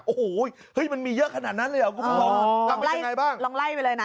โอ้โหเฮ้ยมันมีเยอะขนาดนั้นเลยหรออ๋อลองไล่ไปเลยนะ